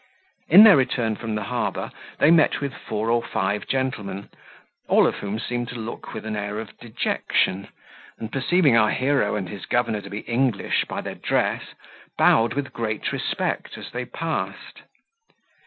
In their return from the harbour they met with four or five gentlemen, all of whom seemed to look with an air of dejection, and perceiving our hero and his governor to be English by their dress, bowed with great respect as they passed.